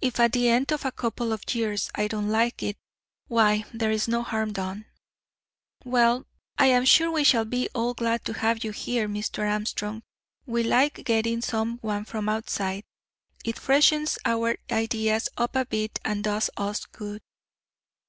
If at the end of a couple of years I don't like it, why, there is no harm done." "Well, I am sure we shall be all glad to have you here, Mr. Armstrong; we like getting some one from outside, it freshens our ideas up a bit and does us good.